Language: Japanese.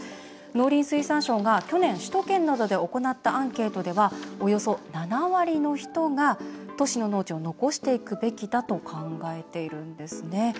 農林水産省が去年、首都圏などで行ったアンケートではおよそ７割の人が都市の農地を残していくべきだと考えているんですね。